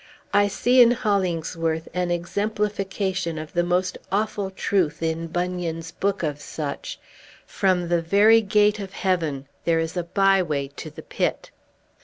I see in Hollingsworth an exemplification of the most awful truth in Bunyan's book of such, from the very gate of heaven there is a by way to the pit!